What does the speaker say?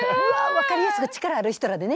分かりやすく力ある人らでね。